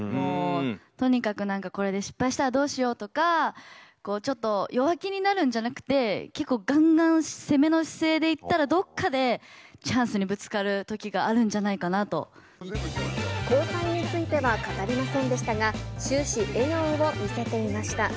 とにかくなんかこれで失敗したらどうしようとか、ちょっと弱気になるんじゃなくて、結構、がんがん攻めの姿勢でいったら、どっかでチャンスにぶつかるとき交際については語りませんでしたが、終始笑顔を見せていました。